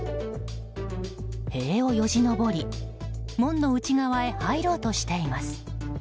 塀をよじ登り門の内側へ入ろうとしています。